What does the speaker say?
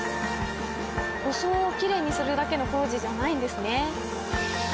装をきれいにするだけの工事じゃないんですね。